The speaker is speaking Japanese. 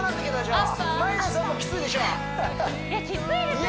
いやきついですよ